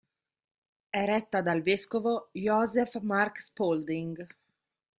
È retta dal vescovo Joseph Mark Spalding.